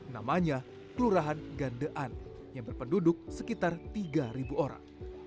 namanya kelurahan gandean yang berpenduduk sekitar tiga orang